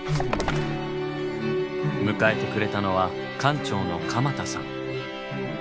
迎えてくれたのは館長の鎌田さん。